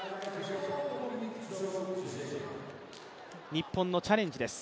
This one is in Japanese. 日本のチャレンジです。